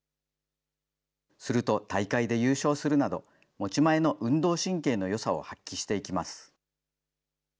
すると大会で優勝するなど、持ち前の運動神経のよさを発揮していきます。